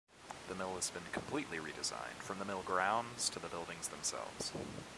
The mill has been completely redesigned, from the mill grounds to the buildings themselves.